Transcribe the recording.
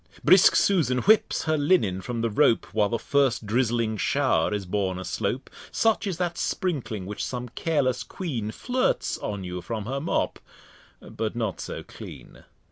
Brisk Susan whips her Linen from the Rope, While the first drizzling Show'r is born aslope, Such is that Sprinkling which some careless Quean Flirts on you from her Mop, but not so clean.